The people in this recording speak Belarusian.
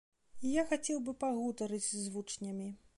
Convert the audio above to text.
Я хацеў бы пагутарыць з вучнямі.